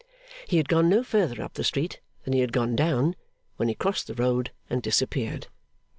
He had gone no further up the street than he had gone down, when he crossed the road and disappeared.